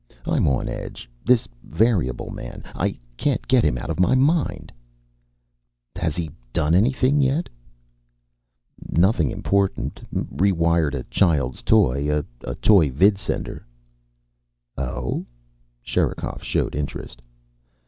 "I'm on edge. This variable man. I can't get him out of my mind." "Has he done anything yet?" "Nothing important. Rewired a child's toy. A toy vidsender." "Oh?" Sherikov showed interest.